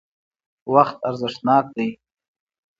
وقت ارزښتناک دی.